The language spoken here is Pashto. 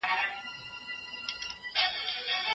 کار د مېګرین له امله کمزوری کېږي.